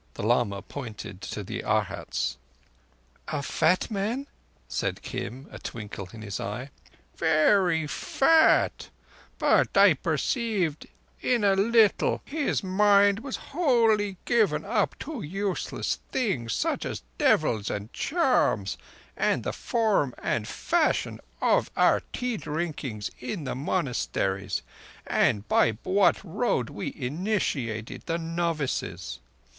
The lama pointed to the Arhats. "A fat man?" said Kim, a twinkle in his eye. "Very fat; but I perceived in a little his mind was wholly given up to useless things—such as devils and charms and the form and fashion of our tea drinkings in the monasteries, and by what road we initiated the novices.